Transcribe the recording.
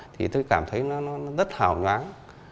thì tôi cảm thấy nó rất hào nhoáng